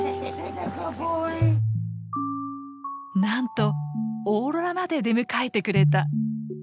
なんとオーロラまで出迎えてくれた。